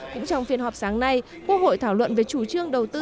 cũng trong phiên họp sáng nay quốc hội thảo luận về chủ trương đầu tư